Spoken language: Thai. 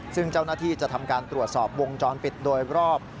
ซึ่งเจ้าหน้าที่จะทำการตรวจสอบวงจรปิดโดยรอบ